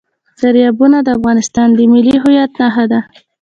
دریابونه د افغانستان د ملي هویت نښه ده.